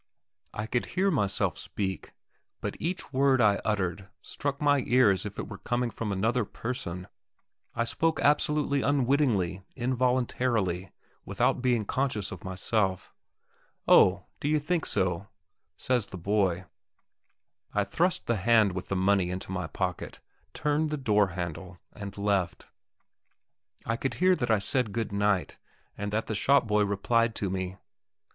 I could hear myself speak, but each word I uttered struck my ear as if it were coming from another person. I spoke absolutely unwittingly, involuntarily, without being conscious of myself. "Oh, do you think so?" says the boy. I thrust the hand with the money into my pocket, turned the door handle, and left. I could hear that I said good night, and that the shop boy replied to me.